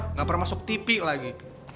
nggak pernah masuk tv lagi